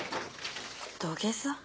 土下座？